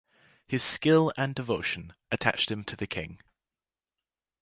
His skill and devotion attached him to the king.